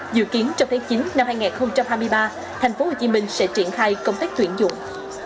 dự kiến trong tháng chín năm hai nghìn hai mươi ba tp hcm sẽ triển khai công tác tuyển dụng